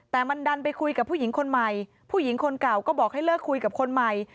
แต่มันดันไปคุยกับผู้หญิงคนใหม่ผู้หญิงคนเก่าก็บอกให้เลิกคุยกับคนใหม่